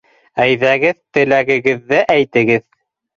Әйҙәгеҙ, теләгегеҙҙе әйтегеҙ.